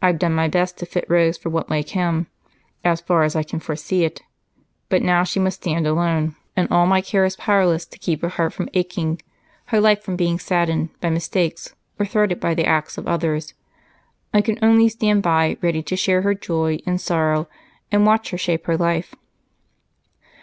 I've done my best to fit Rose for what may come, as far as I can foresee it, but now she must stand alone, and all my care is powerless to keep her heart from aching, her life from being saddened by mistakes, or thwarted by the acts of others. I can only stand ready to share her joy and sorrow and watch her shape her life."